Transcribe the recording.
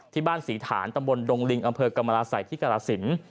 ที่บ้านศรีฐานตำบลดงลิงอำเภอกรรมราศัยที่กรสิน